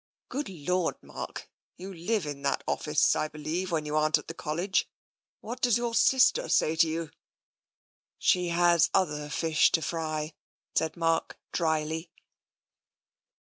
" Good Lord, Mark, you live at that office, I believe, when you aren't at the College. What does your sister say to you ?"" She has other fish to fry," said Mark drily.